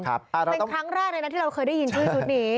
เป็นครั้งแรกเลยนะที่เราเคยได้ยินชื่อชุดนี้